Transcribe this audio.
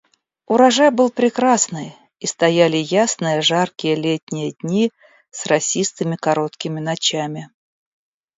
Урожай был прекрасный, и стояли ясные, жаркие летние дни с росистыми короткими ночами.